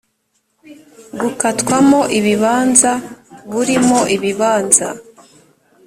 gukatwamo ibibanza burimo ibibanza